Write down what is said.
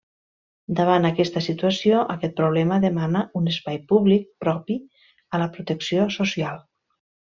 Davant aquesta situació, aquest problema demana un espai públic propi a la protecció social.